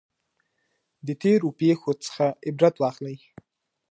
د تیرو پیښو څخه عبرت واخلئ.